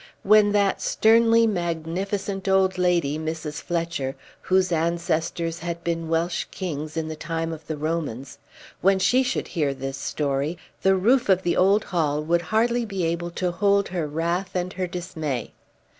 When that sternly magnificent old lady, Mrs. Fletcher, whose ancestors had been Welsh kings in the time of the Romans, when she should hear this story, the roof of the old hall would hardly be able to hold her wrath and her dismay!